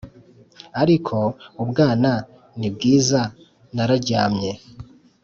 ariko ubwana nibwiza nararyamye